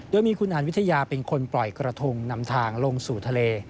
โดยมีคุณอันวิทยาเป็นคนปล่อยกระทงนำทางลงสู่ทะเล